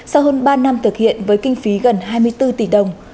sau hơn ba năm thực hiện với kinh phí gần hai mươi bốn tỷ đồng